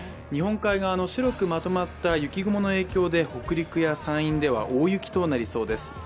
日本海側の白くまとまった雪雲の影響で北陸や山陰では大雪となりそうです。